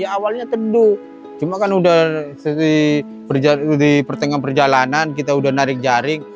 ya awalnya teduh cuma kan sudah di pertengah perjalanan kita sudah narik jaring